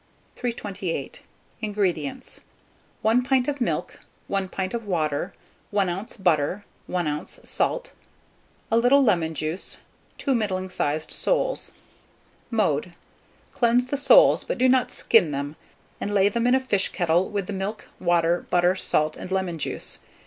328. INGREDIENTS. 1 pint of milk, 1 pint of water, 1 oz. butter, 1 oz. salt, a little lemon juice, 2 middling sized soles. Mode. Cleanse the soles, but do not skin them, and lay them in a fish kettle, with the milk, water, butter, salt, and lemon juice.